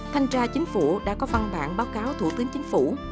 thanh tra chính phủ đã có văn bản báo cáo thủ tướng chính phủ